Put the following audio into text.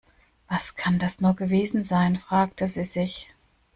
Was kann das nur gewesen sein, fragte sie sich.